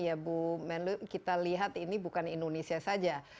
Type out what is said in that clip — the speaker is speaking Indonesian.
ya bu menlu kita lihat ini bukan indonesia saja